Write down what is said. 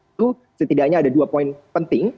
itu setidaknya ada dua poin penting